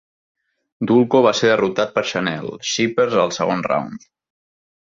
Dulko va ser derrotat per Chanelle Scheepers al segon round.